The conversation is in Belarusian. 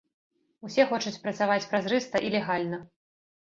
Усе хочуць працаваць празрыста і легальна.